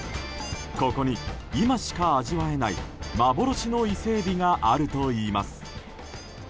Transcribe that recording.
ここに今しか味わえない幻のイセエビがあるといいます。